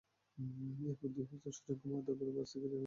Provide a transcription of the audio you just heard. এরপর দুই হিজড়া সুজনকে মারধর করে বাস থেকে টেনেহিঁচড়ে নিচে ফেলে দেয়।